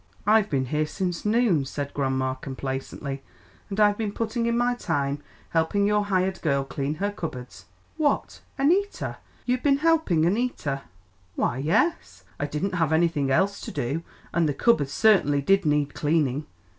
"I've been here since noon," said grandma, complacently, "and I've been putting in my time helping your hired girl clean her cupboards." "What! Annita? You've been helping Annita?" "Why, yes; I didn't have anything else to do, and the cupboards certainly did need cleaning.